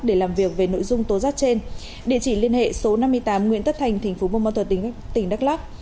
để làm việc về nội dung tố giác trên địa chỉ liên hệ số năm mươi tám nguyễn tất thành tp hcm tỉnh đắk lắc